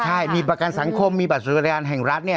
ใช่มีประกันสังคมมีบัตรศุกรรณแห่งรัฐ